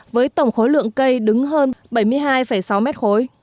với tổng khối lượng cây đứng hơn bảy mươi hai sáu mét khối